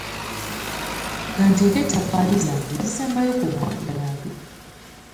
Ka nteeke ettoffaali lyange erisembayo ku ggwanga lyange.